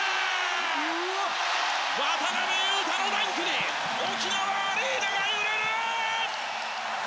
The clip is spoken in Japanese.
渡邊雄太のダンクに沖縄アリーナが揺れる！